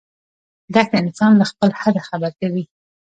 دښته انسان له خپل حده خبر کوي.